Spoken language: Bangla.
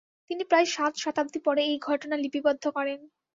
তিনি প্রায় সাত শতাব্দী পরে এই ঘটনা লিপিবদ্ধ করেন।